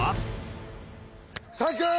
サンキュー！